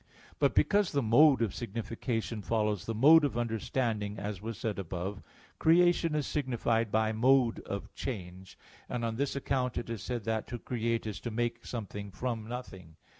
But because the mode of signification follows the mode of understanding as was said above (Q. 13, A. 1), creation is signified by mode of change; and on this account it is said that to create is to make something from nothing.